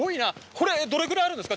これどれぐらいあるんですか？